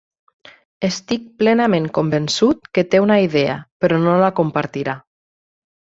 Estic plenament convençut que té una idea, però no la compartirà.